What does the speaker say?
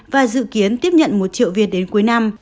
và dự kiến tiếp nhận một triệu viên đến cuối năm